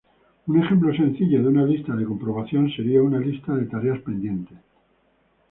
Un ejemplo sencillo de una lista de comprobación sería una lista de tareas pendientes.